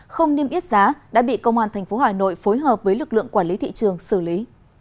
không niêm yết giá đã bị công an tp hà nội phối hợp với lực lượng quản lý thị trường xử lý